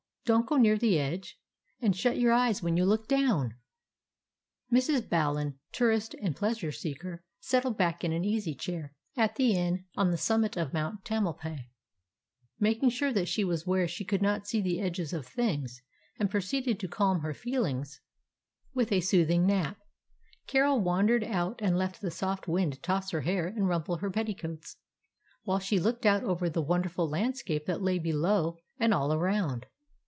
Don't go near the edge, and shut your eyes when you look down !" Mrs. Ballin, tourist and pleasure seeker, settled back in an easy chair at the inn on the summit of Mount Tamalpais, making sure that she was where she could not see the edges of things, and proceeded to calm her feelings 213 DOG HEROES OF MANY LANDS with a soothing nap. Carol wandered out and let the soft wind toss her hair and rumple her petticoats, while she looked out over the wonderful landscape that lay below and all around.